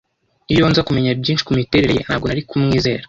Iyo nza kumenya byinshi kumiterere ye, ntabwo nari kumwizera.